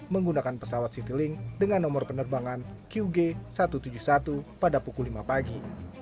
menggunakan pesawat citylink dengan nomor penerbangan qg satu ratus tujuh puluh satu pada pukul lima pagi